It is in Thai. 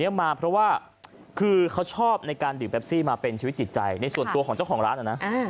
มาเพราะว่าคือเขาชอบในการดื่มแปปซี่มาเป็นชีวิตจิตใจในส่วนตัวของเจ้าของร้านนะ